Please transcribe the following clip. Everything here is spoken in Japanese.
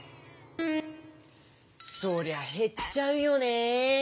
そりゃへっちゃうよね。